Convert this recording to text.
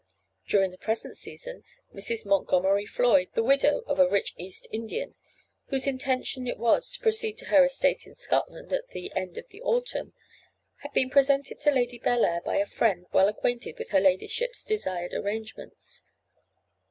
During the present season, Mrs. Montgomery Floyd, the widow of a rich East Indian, whose intention it was to proceed to her estate in Scotland at the end of the autumn, had been presented to Lady Bellair by a friend well acquainted with her ladyship's desired arrangements.